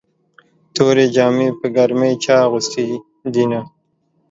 تورې جامې په ګرمۍ چا اغوستې دينه